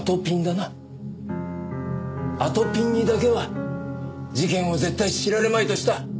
あとぴんにだけは事件を絶対知られまいとした。